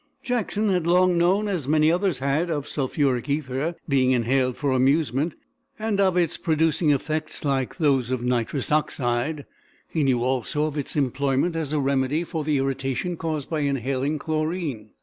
Jackson had long known, as many others had, of sulphuric ether being inhaled for amusement, and of its producing effects like those of nitrous oxide: he knew also of its employment as a remedy for the irritation caused by inhaling chlorine.